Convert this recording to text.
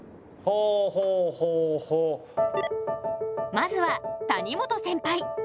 まずは谷本センパイ。